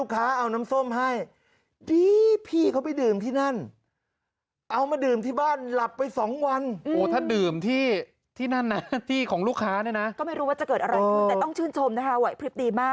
ก็ไม่รู้ว่าจะเกิดอะไรแต่ต้องชื่นชมนะคะพริษฐีมาก